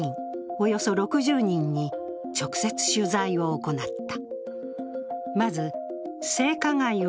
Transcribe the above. およそ６０人に直接取材を行った。